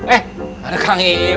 eh ada kang ip